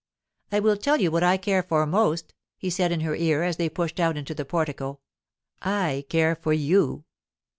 'I will tell you what I care for most,' he said in her ear as they pushed out into the portico. 'I care for you.